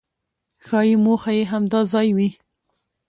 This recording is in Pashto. ښایي موخه یې همدا ځای وي.